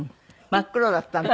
真っ黒だったの？